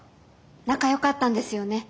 仲よかったんですよね？